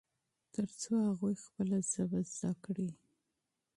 ترڅو هغوی خپله ژبه زده کړي.